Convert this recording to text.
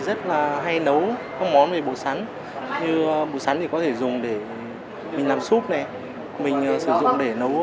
rất là hay nấu không món về bột sắn như bột sắn thì có thể dùng để mình làm súp này mình sử dụng để nấu